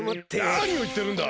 なにをいってるんだ！